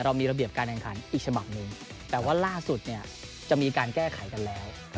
เรามีระเบียบการแข่งขันอีกฉบับหนึ่งแต่ว่าล่าสุดเนี่ยจะมีการแก้ไขกันแล้ว